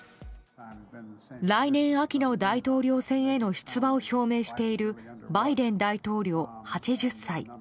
来年秋の大統領選への出馬を表明しているバイデン大統領、８０歳。